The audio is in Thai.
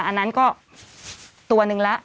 อันนั้นก็ตัวนึงแล้ว